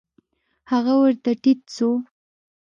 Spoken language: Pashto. هغه ورته ټيټ سو.